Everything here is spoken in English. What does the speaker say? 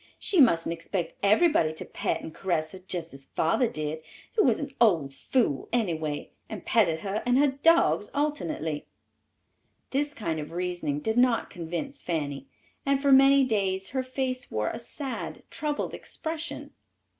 She mustn't expect everybody to pet and caress her just as her father did, who was an old fool anyway, and petted her and her dogs alternately." This kind of reasoning did not convince Fanny, and for many days her face wore a sad, troubled expression.